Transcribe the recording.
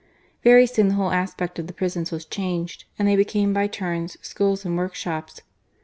Very soon the whole aspect of the prisons was changed, and they became, by turns, schools and workshops.